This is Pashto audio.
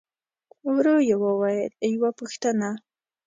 ورو يې وويل: يوه پوښتنه!